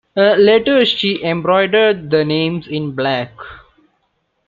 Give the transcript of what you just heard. Later, she embroidered the names in black.